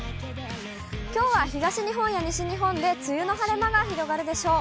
きょうは東日本や西日本で、梅雨の晴れ間が広がるでしょう。